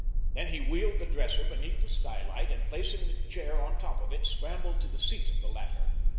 Then he wheeled the dresser beneath the skylight and, placing the chair on top of it, scrambled to the seat of the latter.